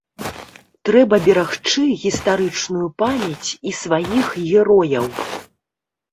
Трэба берагчы гістарычную памяць і сваіх герояў.